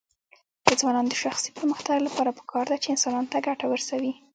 د ځوانانو د شخصي پرمختګ لپاره پکار ده چې انسانانو ته ګټه رسوي.